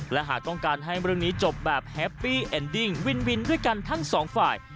และหากต้องการให้เรื่องนี้จบแบบแฮปปี้เอ็นดิ้งวินวินด้วยกันทั้งสองฝ่าย